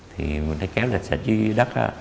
thì mình đã kheo lệch sạch dưới đất